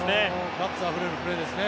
ガッツあふれるプレーですね。